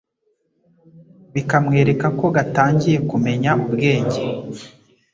bikamwereka ko gatangiye kumenya ubwenge,